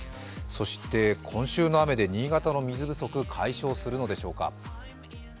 そして今週の雨出新潟の水不足解消するのでしょうか。